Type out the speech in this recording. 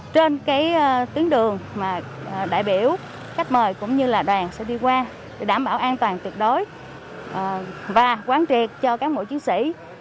trên cái tuyến đường mà đại biểu khách mời cũng như là đoàn sẽ đi qua để đảm bảo an toàn tuyệt đối